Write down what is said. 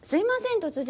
突然。